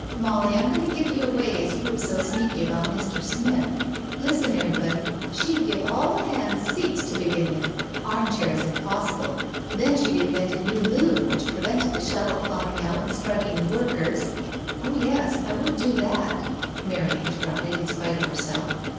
" Molly, I'm going to give you away as you were so sneaky about Mr. Smith. Listen everybody — she'd give all the ' hands ' seats to begin with— ^rm chairs if possible — then she'd invent a new loom which prevented the shuttle flying out and striking the workers ••."" Oh yes, I would do that." Mary interrupted in spite of herself.